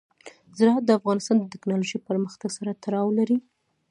زراعت د افغانستان د تکنالوژۍ پرمختګ سره تړاو لري.